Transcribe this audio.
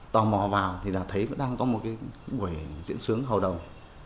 tò mò vào thì thấy vẫn đang có một buổi diễn sướng hầu đồng